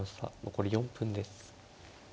残り４分です。